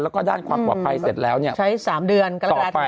แล้วก็ด้านความขอบภัยเสร็จแล้วสตราติดตราใช้๓เดือนต่อไป